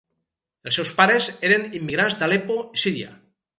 Els seus pares eren immigrants d'Aleppo, Syria.